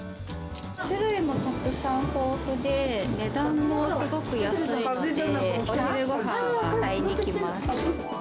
種類もたくさん豊富で、値段もすごく安いので、お昼ごはんは買いに来ます。